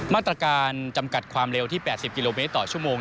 มาตรการจำกัดความเร็วที่๘๐กิโลเมตรต่อชั่วโมง